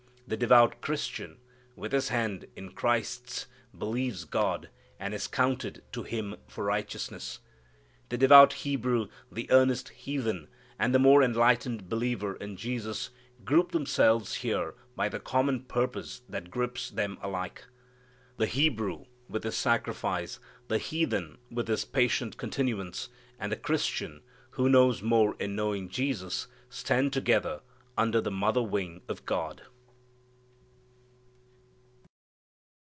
The devout Christian, with his hand in Christ's, believes God, and it is counted to him for righteousness. The devout Hebrew, the earnest heathen, and the more enlightened believer in Jesus group themselves here by the common purpose that grips them alike. The Hebrew with his sacrifice, the heathen with his patient continuance, and the Christian who knows more in knowing Jesus, stand together under the mother wing of God.